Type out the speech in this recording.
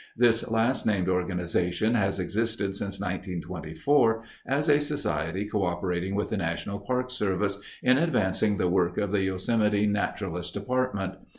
This last named organization has existed since 1924 as a society coöperating with the National Park Service in advancing the work of the Yosemite Naturalist Department.